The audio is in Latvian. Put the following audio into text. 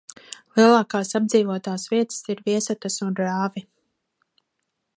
Lielākās apdzīvotās vietas ir Viesatas un Rāvi.